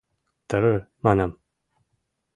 Тр-р, манам!